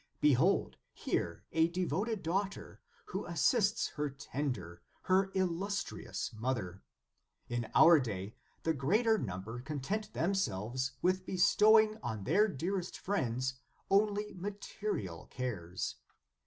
Behold here a devoted daughter, who assists her tender, her illustrious mother. In our day the greater number content themselves with bestowing on their dearest friends only material cares.